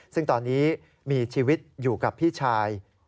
ซึ่งตอนนี้มีชีวิตอยู่กับพี่ชาย